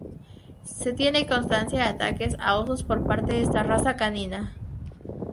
Se tiene constancia de ataques a osos por parte de esta raza canina